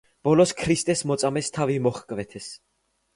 ბოლოს ქრისტეს მოწამეს თავი მოჰკვეთეს.